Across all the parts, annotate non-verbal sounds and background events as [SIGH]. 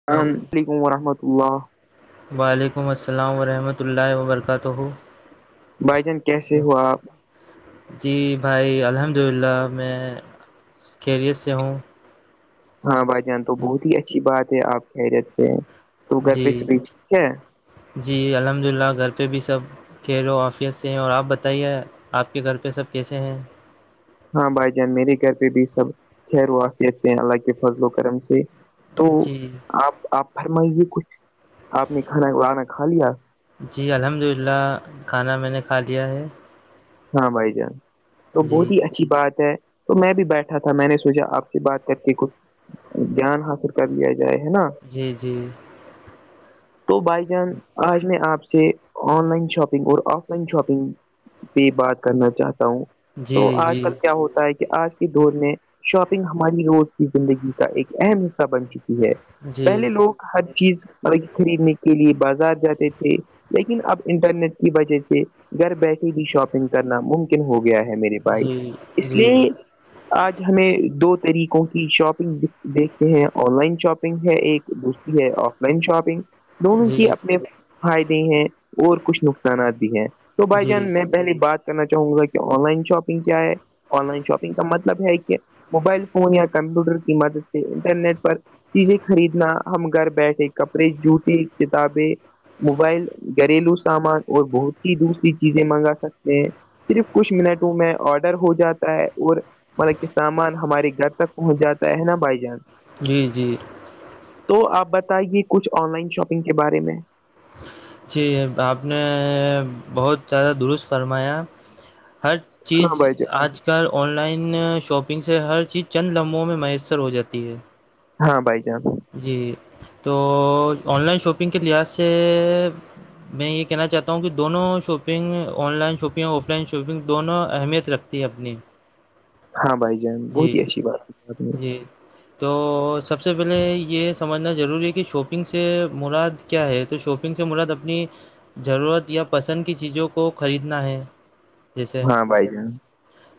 السلام علیکم ورحمۃ اللہ وعلیکم السلام ورحمۃ اللہ وبرکاتہ بھائی جان کیسے ہوا آپ جی بھائی الحمد للہ میں خیریت سے ہوں ہاں بھائی جان تو بہت ہی اچھی بات ہے آپ کی حیرت سے تو گھر پہ جی صب ٹھیک ہے جی الحمد للہ گھر پہ بھی سب کلو آفیت سے ہیں اور آپ بتائیے آپ کے گھر پہ سب کیسے ہیں ہاں بھائی جان میرے گھر پہ بھی سب خیر واقیت سے اللہ کے فضل و کرم سے تو جی آپ آپ فرمائیے کچھ آپ نے کھاناانا کھا لیا جی الحمد للہ کھانا میں نے کھا لیا ہے ہاں بھائی جان تو جی بہت ہی اچھی بات ہے تو میں بھی بیٹھا تھا میں نے سوچا آپ سے بات کر کے کچھ گان حاصل کر لیا جائے ہے نا جی جی [UNINTELLIGIBLE] تو بھائی جان آج میں آپ سے آن لائن شاپنگ اور آف لائن شاپنگ بھی بات کرنا چاہتا ہوں تو جی آج جی کل کیا ہوتا ہے کہ آج دور میں شاپنگ ہماری روز کی زندگی کا ایک اہم حصہ بن چکی ہے جی پہلے لوگ ہر چیز خریدنے کے لیے بازار جاتے تھے لیکن اب انٹرنیٹ کی وجہ سے گھر بیٹھے بھی شاپنگ کرنا ممکن ہو گیا ہے میرے پائی جی اس جی لیے آج ہمیں دو طریقوں کی شاپنگ دیکھتے ہیں آن لائن شاپنگ ہے ایک دوس یہ آف لائن شاپنگ دونوں کے جی اپنے فائدے ہیں اور کچھ نقصانات بھی ہیں تو بائی جی جان میں پہلی بات کرنا چاہوں گا کہ آن لائن شاپنگ کیا ہے آن لائن شاپنگ کا مطلب ہے کہ موبائل فون یا کمپیوٹر کی مدد سے انٹرنیٹ پر چیزیں خریدنا ہم گھر بیٹھے کپڑے جوتے کتابیں موبائل گھریلو سامان اور بہت س ہی دوسری چیزیں منگا سکتے ہیں صرف کچھ منٹوں میں آڈر ہو جاتا ہے اور مطلب کہ سامان ہماری گھر تک پہنچ جاتا ہے نا بھائی جان جی جی تو آپ بتائیے کچھ آن لائن شاپنگ کے بارے میں جی آپ نے بہت زیادہ درست فرمایا ہر چیز ہاں بھائی جان آج ک آن لائن شاپنگ سے ہر چیز چند لمحوں میں میسر ہو جاتی ہے ہاں بھائی جان جی تو آن لائن شاپنگ کے لحاظ سے [UNINTELLIGIBLE] میں یہ کہنا چاہتا ہوں کہ دونوں شاپنگ آن لائن شاپنگ اور آف لائن شاپنگ دونوں اہمیت رکھتے ہیں ت اپنی ہاں بھائی جان بہت جی ہی اچھی بات بات میں جی تو سب سے پہلے یہ سمجھنا ضروری ہے کہ شاپنگ سے مراد کیا ہے تو شاپنگ سے مرد اپنی ضرورت یا پسند کی چیزوں کو خریدنا ہے جیسے ہاں بھائی جان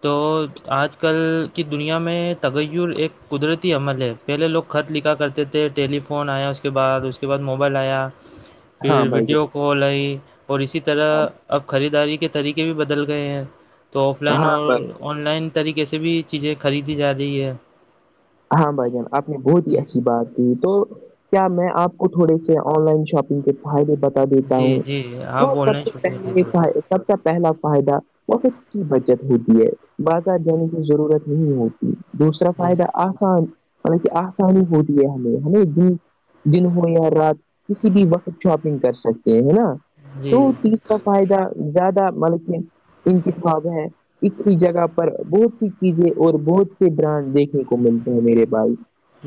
تو آج آج کل کی دنیا میں تغیر ایک قدرتی عمل ہے پہلے لوگ خط لکھا کرتے تھے تھے ٹیلی فون آیا اس کے بعد اس کے بعد موبائل آیا [INAUDIBLE] پھر ویڈیو کال آئی اور اسی طرح جان اب خریداری کے طریقے بھی بدل گئے ہیں تو آف لائن ہاں اور بھائی آن لائن طریقے سے بھی چیزیں خریدی جا رہی ہے ہاں بھائی جان آپ نے بہت ہی اچھی بات کی تو کیا میں آپ کو تھوڑے سے آن لائن شاپ انکے فائدے بتا دیتا جی ہوں جی تو آپ آن سب لائن سے شاپنگ نہیں پہلے کرتے سب سے پہلا فائدہ وقت کی بچت ہوتی ہے بازار جانے کی ضرورت نہیں ہوتی دوسرا جی فائدہ آسان مطلب کہ آسانی ہوتی ہے ہمیں ہے نا ایک د دن ہو یا رات کسی بھی وقت شاپنگ کر سکتے ہیں ہے نا تو جی تیس کا فائدہ زیادہ ملک انتخاب ہیں اسی جگہ پر بہت سی چیزیں اور بہت سے برانڈ دیکھیں گ ملتے ہیں میرے بھائی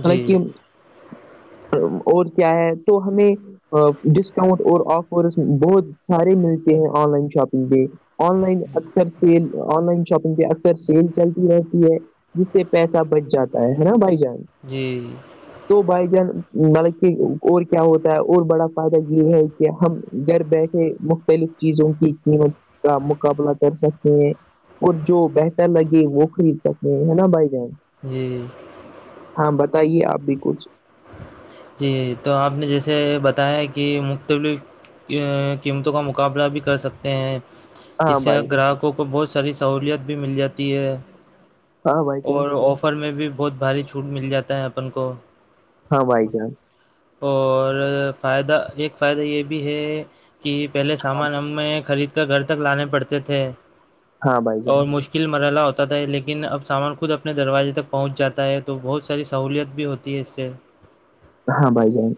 مطلب کہ جی اور کیا ہے تو ہمیں ڈسکاؤنٹ اور آفرس بہت سارے ملتے ہیں آن لائن شاپنگ پہ آن لائن اکثر سیل آن لائن شاپنگ پہ اکثر سیل چلتی رہتی ہے جس سے پیسہ بچ جاتا ہے نا بھائی جان جی تو بھائی جان مطلب کہ اور کیا ہوتا ہے اور بڑا فائدہ یہ ہے کہ ہم گھر بیٹھے مختلف چیزوں کی قیمت کا مقابلہ کر سکتے ہیں اور جو بہتر لگے وہ خرید سکتے ہے نا بھائی جان جی جی ہاں بتائیے آپ بھی کچھ جی تو آپ نے جیسے بتایا کہ مختلف قیمتوں کا مقابلہ بھی کر سکتے ہیں اس ہاں سے بھائی گراہکوں کو بہت ساری سہولت بھی مل جاتی ہے ہاں بھائی جان اور آفر میں بھی بہت بھاری چھوٹ مل جاتا ہے اپن کو ہاں بھائی جان اور فائدہ ایک فائدہ یہ بھی ہے کہ پہلے ہاں سامان ہمیں خرید کر گھر تک لانے پڑتے تھے ہاں بھائی جان اور مش کل مرحلہ ہوتا تھا لیکن اب سامان خود اپنے دروازے تک پہنچ جاتا ہے تو بہت ساری سہولیت بھی ہوتی [UNINTELLIGIBLE] ہاں بھائی جان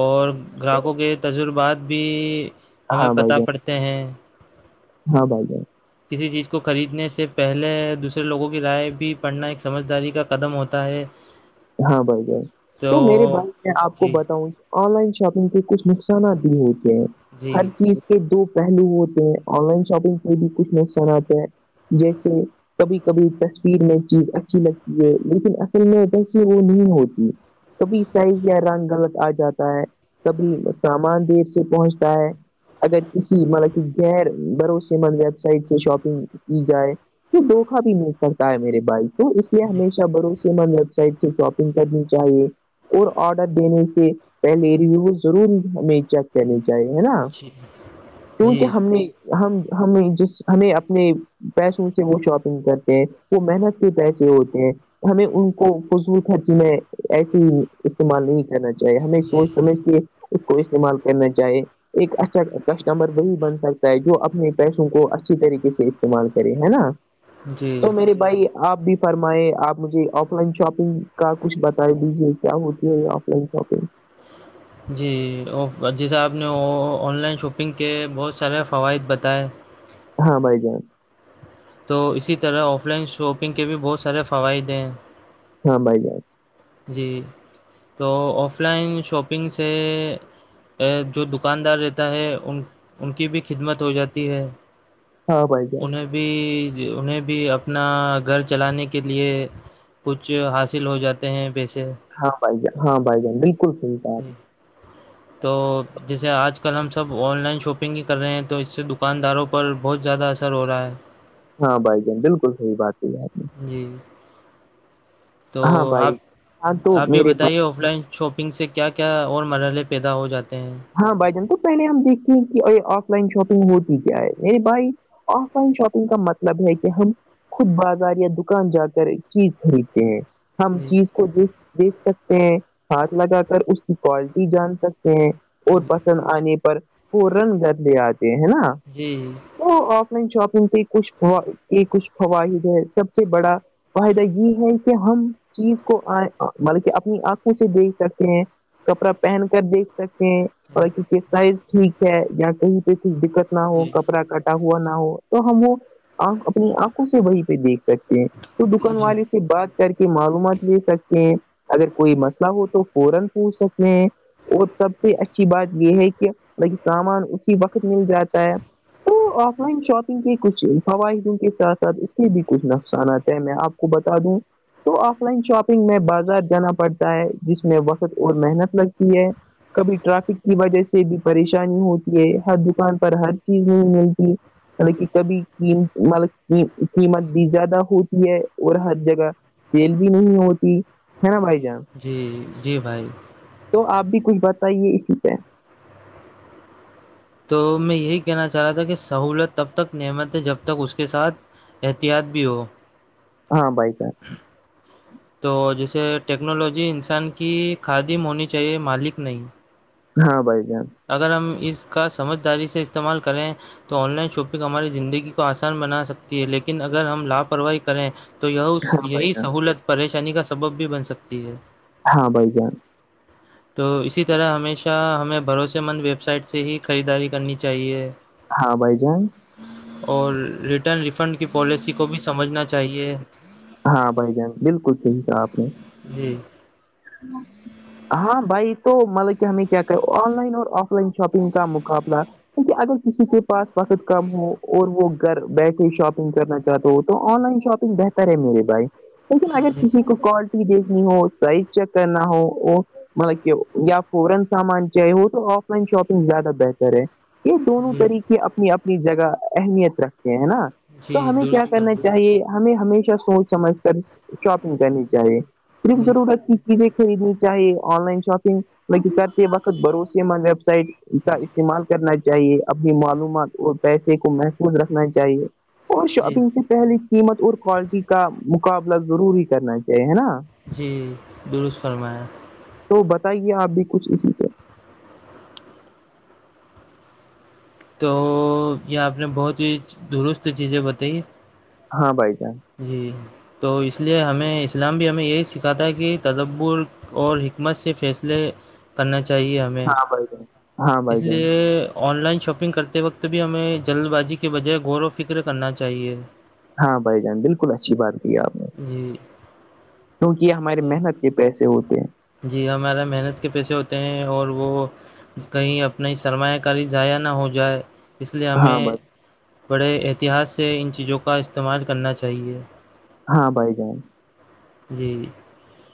اور گراہکوں کے تجربات بھی ہمیں ہاں بھائی پتہ جان پڑتا تے ہیں ہاں بھائی جان کسی چیز کو خریدنے سے پہلے دوسرے لوگوں کی رائے بھی پڑھنا ایک سمجھداری کا قدم ہوتا ہے ہاں بھائی جان تو میرے بھائی میں آپ کو جی بتاؤں آن لائن شاپنگ کے کچھ نقصانات بھی ہوتے ہیں جی ہر چیز کے دو پہلو ہوتے ہیں آن لائن شاپنگ پہ بھی کچھ نقصانات ہیں جیسے کبھی کبھی تصویر میں چیز اچھی لگتی ہے لیکن اصل میں ایسی وہ نہیں ہوتی کبھی سائز یا رنگ غلط آ جاتا ہے کبھی سامان دیر سے پہنچتا ہے اگر کسی مطلب کہ غیر بھروسے مند ویب سائٹ سے شاپنگ کی جائے تو دھوکا بھی مٹ سکتا ہے میرے بھائی تو اس لیے جی ہمیشہ بھروسے مند رہ سائٹ سے شاپنگ کرنی چاہیے اور آڈر دینے سے پہلے ریویو ضرور ہمیں چیک کہنے چاہیے ہے نا جی کیونکہ جی ہم نے ہم ہم جس ہمیں اپنے پیسوں سے وہ شاپنگ کرتے ہیں وہ محنت کے پیسے ہوتے ہیں ہمیں ان کو خض ح جیں ایسے ہی استعمال نہیں کرنا چاہیے ہمیں جی سوچ سمجھ کے اس کو استعمال کرنا چاہے ایک اچھا کسٹمر وہی بن سکتا ہے جو اپنے پیسوں کو اچھی طریقے سے استعمال کرے ہے نا جی تو میرے بھائی آپ بھی فرمائے آپ مجھے آف لائن شاپ شنگ کا کچھ بتا دیجیے کیا ہوتی ہے یہ آف لائن شاپنگ [UNINTELLIGIBLE] جی جیسے آپ نے آن لائن شاپنگ کے بہت سارے فوائد بتائے ہاں بائی چانس [UNINTELLIGIBLE] تو اسی طرح آف لائن شاپنگ کے بھی بہت سارے فوائد ہیں ہاں بھائی جائی جی تو آف لائن شاپنگ سے جو دکاندار رہتا ہے ان ان کی بھی خدمت ہو جاتی ہے ہاں بائی جا [UNINTELLIGIBLE] انہیں بھی انہیں بھی اپنا گھر چلانے کے لیے کچھ حاصل ہو جاتے ہیں پیسے ہاں بھائی جان ہاں بھائی جان بالکل صحیح بات ہے تو جیسے آج کل ہم سب آن لائن شاپنگ ہی کر رہے ہیں تو اس سے دکانداروں پر بہت زیادہ اثر ہو رہا ہے ہاں بھائی جان بالکل صحیح بات ت آپ ہے جی تو ہاں آپ بھائی ہاں تو آپ یہ میرے بتائیے آف لائن شاپنگ سے کیا کیا اور مرحلے پیدا ہو جاتے ہیں ہاں بھائی جان تو پہل ہم دیکھتے ہیں کہ ا آف لائن شاپنگ ہوتی کیا ہے مے بھائی آف لائن شاپنگ کا مطلب ہے کہ ہم خود بازار یا دکان جا کر چیز خریدتے ہیں ہم چیز کو دیکھ دیکھ سکتے ہیں ہاتھ لگا کر اس کی کوالٹی جان سکتے ہیں اور پسند آنے پر پورن گھر لے آتے ہے نا جی تو آف لائن شاپنگ پہ کچھ یہ کچھ خواہد ہے سب سے بڑا فائدہ یہ ہے کہ ہم چیز کو مطلب کہ اپنی آنکھوں سے دیکھ سکتے ہیں کپڑا پہن کر دیکھ سکتے ہیں کیونکہ سائز ٹھیک ہے یا کہیں پہ کچھ دقت نہ ہو جی کپڑا کٹ ہوا نہ ہو تو ہم وہ اپنی آنکھوں سے وہیں پہ دیکھ سکتے تو دکان جی والے سے بات [UNINTELLIGIBLE] اور سب سے اچھی بات یہ ہے کہ ب سامان اسی وقت مل جاتا ہے [UNINTELLIGIBLE] تو آف لائن شاپنگ کے کچھ فوائدوں کے ساتھ ساتھ اس کے بھی کچھ نقصانات ہیں میں آپ کو بتا دوں تو آف لائن شاپنگ میں بازار جانا پڑتا ہے جس میں وقت اور محنت لگتی ہے کبھی ٹرافک کی وجہ سے بھی پریشانی ہوتی ہے ہر دکان پر ہر چیز نہیں ملتی مطلب کہ کبھی قمت مطلب قیمت بھی زیادہ ہوتی ہے اور ہر جگہ [UNINTELLIGIBLE] سیل بھی نہیں ہوتی ہے نا برائی جان [UNINTELLIGIBLE] جی جی بھائی تو آپ بھی کچھ بتائیے اسی پہ تو میں یہی کہنا چاہ رہا تھا کہ سہولت تب تک نعمت ہے جب تک اس کے ساتھ احتیاط بھی ہو ہاں بائ جان تو جیسے ٹیکنالوجی انسان کی خادیم ہونی چاہیے مالک نہیں ہاں بائی چانس اگر ہم اس کا سمجھداری سے استعمال کریں تو آن لائن شاپنگ ہماری زندگی کو آسان بنا سکتی ہے لیکن اگر ہم لاپرواہی کریں تو یہ ہاں بھائی یہی جان سہولت پریشانی کا سبب بھی بن سکتی ہے ہاں بھائی جان تو اسی طرح ہمیشہ ہمیں بھروسے مند ویب سائٹ سے ہی خریداری کرنی چاہیے ہاں بھائی جان اور ریٹرن ریفنڈ کی پالیسی کو بھی سمجھنا چاہیے ہاں بھائی جان بالکل صحیح تھا آپ نے [UNINTELLIGIBLE] جی ہ [UNINTELLIGIBLE] ہاں بھائی تو مطلب کہ ہمیں کیا کہ آن لائن اور آف لائن شاپنگ کا مقابلہ کیونکہ اگر کسی کے پاس وقت کم ہو اور وہ گھر بیٹھے شاپنگ کرنا چاہتے ہو تو آن لائن شاپنگ بہتر ہے میرے بھائی لیکن اگر کسی کو کوالٹی دیکھنی ہو سائز چیک کرنا ہو وہ [UNINTELLIGIBLE] یہ دونوں جی طریقے اپنی اپنی جگہ اہمیت رکھتے ہیں نا جی تو ہمیں کیا درست کرنا چاہیے فرمایا ہمیں ہمیشہ سوچ سمجھ کر شاپنگ کرنی چاہیے اسم جی رور کی چیزیں خریدنی چاہے آن لائن شاپنگ ل کرتے وقت بھروسے مند ویب سائٹ کا استعمال کرنا چاہیے اپنی معلومات اور پیسے کو محفوظ رکھنا چاہیے اور جی شاپنگ سے پہلے قیمت اور کوالٹی کا مقابلہ ضرور ہی کرنا چاہیے ہے نا جی درست فرمایا تو بتائیے آپ بھی کچھ اسی سے تو یہ آپ نے بہت ہی درست چیزیں بتائی ہاں بائی جان جی تو اس لیے ہمیں اسلام بھی ہمیں یہی سکھاتا ہے کہ تصبور اور حکمت سے فیصلے کرنا چاہیے ہمیں ہاں بڑ ج اس لیے آن لائن شاپنگ کرتے وقت بھی ہمیں جلد بازی کے بجائے غور و فکر کرنا چاہیے ہاں بھائی جان بالکل اچھی بات کی ہے آپ نے جی کیونکہ یہ ہمارے تو محنت کے پیسے ہوتے ہیں جی ہمارا محنت کے پیسے ہوتے ہیں اور وہ کہیں اپنی سرمایہ کاری ضائع نہ ہو جائے اس لیے ہاں ہمیں بھائی بڑے احتیاط سے ان چیزوں کا استعمال کرنا چاہیے ہاں بھائی جان جی جی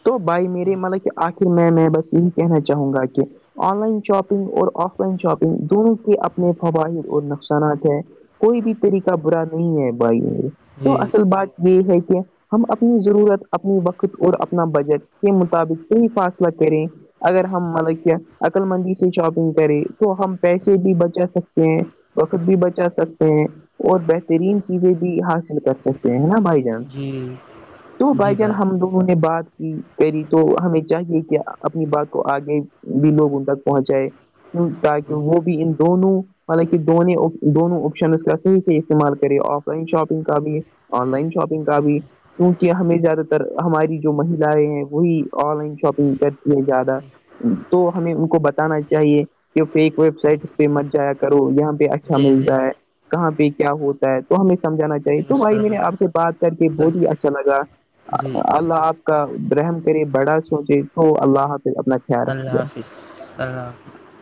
تو بھائی میرے مطلب کہ آخر میں میں بس یہی کہنا چاہوں گا کہ آن لائن شاپنگ اور آف لائن شاپنگ دونوں کے اپنے فواہد اور نقصانات ہیں کوئی بھی تری کا برا نہیں ہے بھائی م تو جی اصل بات یہ ہے کہ ہم اپنی ضرورت ر اپنا بجٹ کے مطابق صحیح فاصلہ کریں اگر ہم مطلب کہ عقل مندی سے شاپنگ کریں تو ہم پیسے بھی بچا سکتے ہیں وقت بھی بچا سکتے ہیں اور بہترین چیزیں بھی حاصل کر سکتے ہیں نا بھائی جی تو بھائی جان ہم دگوں نے بات پیری تو ہمیں چاہیے کہ اپنی بات کو آگے بھی لوگ ان تک پہنچائے تاکہ وہ بھی ان دونوں حالانکہ دونوں دونوں آپشن کاح سےح استعمال کرے آف لائن شاپنگ کا بھی آن لائن شاپگ کا بھی کیونکہ ہمیں زیادہ تر ہماری جو مہیلیں ہیں وہی آن لائن شاپنگ کرتی نہیں زیادہ تو ہمیں ان کو بتانا چاہیے کہ فیک ویب سائٹ اس پہ مت جایا کرو یہاں ہ اچھا جی جی ملتا ہے کہاں پہ کیا ہوتا ہے تو ہمیں سمجھانا چ جی تو بھائی میں مسکرم نے آپ سے بات کر کے بہت ہی اچھا لگا جی اللہ آپ کا برہم کرے بڑا سوچے تو اللہ پ اپنا خیال رکھیے اللہ گا حافظ اللہ حافظ